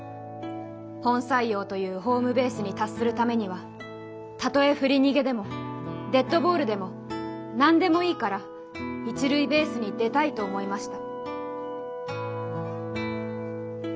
本採用というホームベースに達するためにはたとえ振り逃げでもデッドボールでも何でもいいから一塁ベースに出たいと思いました」。